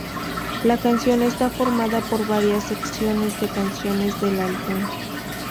La canción está formada por varias secciones de canciones del álbum.